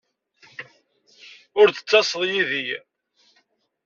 Ur d-tettaseḍ yid-i?